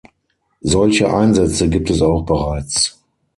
Solche Einsätze gibt es auch bereits.